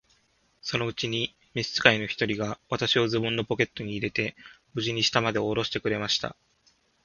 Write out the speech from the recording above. そのうちに召使の一人が、私をズボンのポケットに入れて、無事に下までおろしてくれました。